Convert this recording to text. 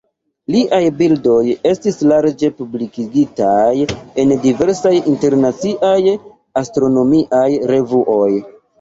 Liaj bildoj estis larĝe publikigitaj en diversaj internaciaj astronomiaj revuoj.